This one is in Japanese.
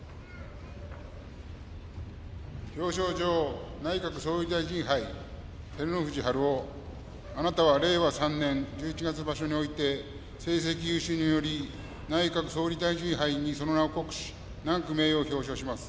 表彰状内閣総理大臣杯照ノ富士春雄殿あなたは令和３年十一月場所において成績優秀により内閣総理大臣杯にその名を刻し永く名誉を表彰します